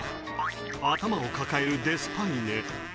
頭を抱えるデスパイネ